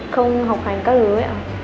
không học hành các thứ ấy ạ